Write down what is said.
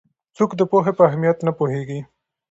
څوک د پوهې په اهمیت نه پوهېږي؟